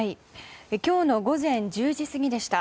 今日の午前１０時過ぎでした。